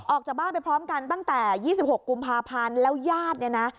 ออกจากบ้านไปพร้อมกันตั้งแต่๒๖กุมภาพันธ์แล้วญาติเนี่ยนะ